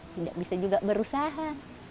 tidak bisa juga berusaha